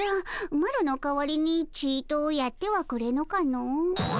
マロの代わりにちとやってはくれぬかの。